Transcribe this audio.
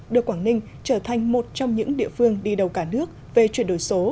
đưa quảng ninh trở thành một trong những địa phương đi đầu cả nước về chuyển đổi số